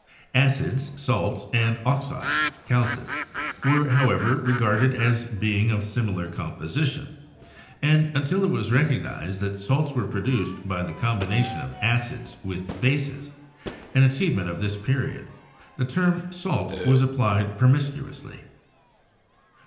Acids, salts and oxides ("calces") were, however, regarded as being of similar composition; and, until it was recognised that salts were produced by the combination of acids with bases — an achievement of this period — the term "salt" was applied promiscuously.